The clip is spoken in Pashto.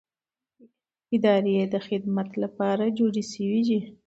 ادارې د خدمت لپاره جوړې شوې دي